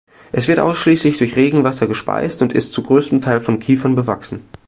Es wird ausschließlich durch Regenwasser gespeist und ist zu größtem Teil von Kiefern bewachsen.